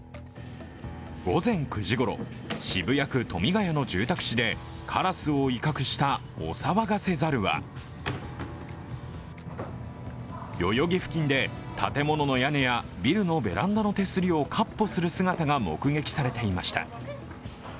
午前９時ごろ、渋谷区富ヶ谷の住宅地でカラスを威嚇したお騒がせ猿は代々木付近で建物の屋根やビルのベランダの手すりをかっ歩する姿が目撃されていました。